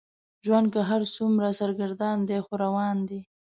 ژوند که هر څومره سرګردان دی خو روان دی.